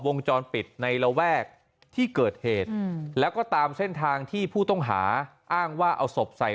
วงจรปิดในระแวกที่เกิดเหตุแล้วก็ตามเส้นทางที่ผู้ต้องหาอ้างว่าเอาศพใส่